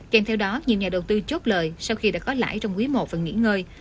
kèm theo đó nhiều nhà đầu tư chốt lợi sau khi đã có lãi trong quý i và nghỉ ngơi